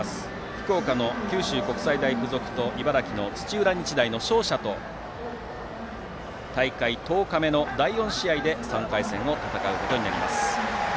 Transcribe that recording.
福岡の九州国際大付属と茨城の土浦日大の勝者と大会１０日目の第４試合で３回戦を戦うことになります。